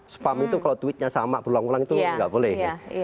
spam itu kalau tweetnya sama berulang ulang itu nggak boleh